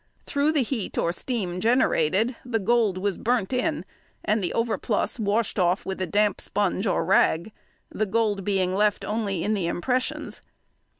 Through the heat or steam generated the gold was burnt in, and the overplus washed off with a damp sponge or rag, the gold being left only in the impressions.